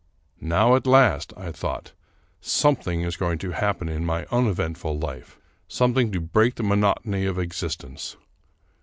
Now at last, I thought, something is going to happen in my uneventful life — something to break the monotony of existence.